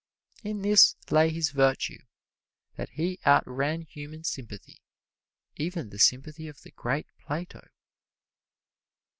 In this lay his virtue, that he outran human sympathy, even the sympathy of the great Plato.